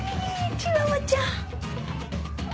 チワワちゃん。